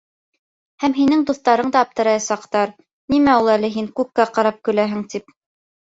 Һәм һинең дуҫтарың да аптыраясаҡтар, нимә ул әле һин күккә ҡарап көләһең тип.